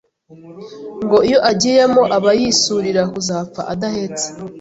ngo iyo agiyemo aba yisurira kuzapfa adahetse